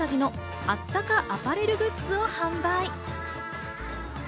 うさぎのあったかアパレルグッズを販売。